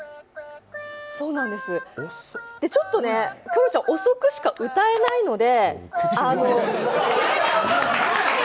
キョロちゃん、遅くしか歌えないので。